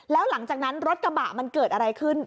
แล้วหลังจากนั้นรถกระบะมันเกิดอะไรขึ้น